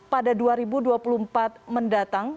pada dua ribu dua puluh empat mendatang